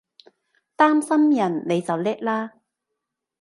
擔心人你就叻喇！